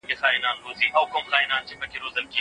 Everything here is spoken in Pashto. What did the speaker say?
په مابينځ کي یو لوی غره دی.